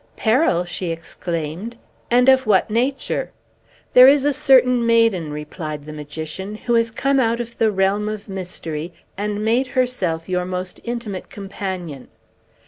"Peril!" she exclaimed. "And of what nature?" "There is a certain maiden," replied the magician, "who has come out of the realm of mystery, and made herself your most intimate companion.